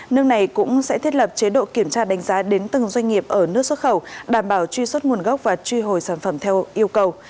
nước này cũng sẽ thiết lập chế độ kiểm tra đánh giá đến từng doanh nghiệp ở nước xuất khẩu đảm bảo truy xuất nguồn gốc và truy hồi sản phẩm theo yêu cầu